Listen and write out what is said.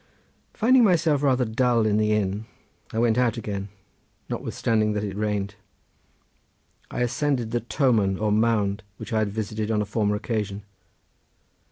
Finding myself rather dull in the inn I went out again notwithstanding that it rained. I ascended the toman or mound which I had visited on a former occasion.